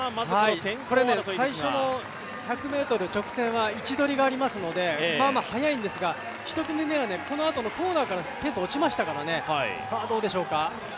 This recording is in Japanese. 最初の１００ｍ、直線は位置取りがありますので、まあまあ速いんですが１組目はこのコーナーからペースが落ちましたから、どうでしょうか。